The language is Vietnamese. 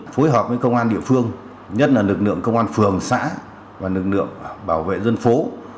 phối hợp với công an địa phương nhất là lực lượng công an phường xã và lực lượng bảo vệ dân phố